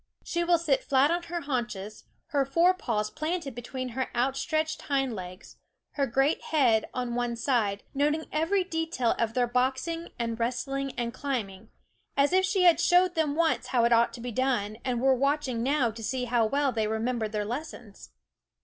She will sit flat on her /? YouMeef & SCHOOL OF haunches, her fore paws planted between her Ti)h n You Meef outstretcne ^ nm d l e g s > ner great head on one side, noting every detail of their boxing and wrestling and climbing, as if she had showed them once how it ought to be done and were watching now to see how well they remem bered their lessons.